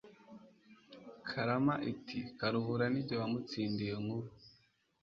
Karama iti: Karuhura Ni jye wamutsindiye Nkuba,